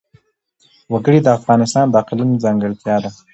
وګړي د افغانستان د اقلیم ځانګړتیا ده.